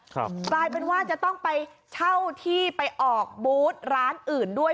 กลายเป็นว่าจะต้องไปเช่าที่ไปออกบูธร้านอื่นด้วย